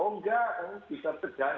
oh enggak kamu bisa tegang